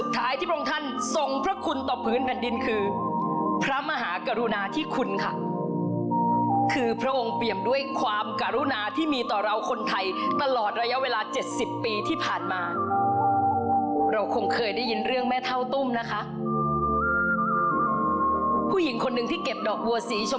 ชัดเจนไหมคะในวันที่ไม่มีโปรงท่านแล้ว